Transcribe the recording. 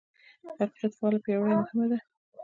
د حقیقت فعاله پیروي مهمه ده.